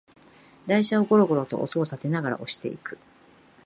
台車をゴロゴロと音をたてながら押していく